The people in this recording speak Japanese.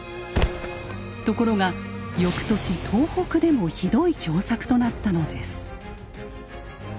ところが翌年東北でもひどい凶作となったのです。